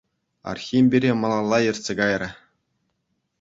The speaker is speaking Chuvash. Архим пире малалла ертсе кайрӗ.